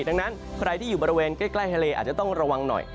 ดังนั้นใครที่อยู่บริเวณใกล้ทะเลอาจจะต้องระวังหน่อย